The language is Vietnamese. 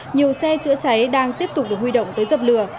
nhiều xe chữa cháy đang tiếp tục được huy động tới dập lửa